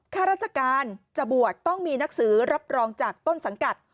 ข้าราชการจะบวชต้องมีหนังสือรับรองจากต้นสังกัด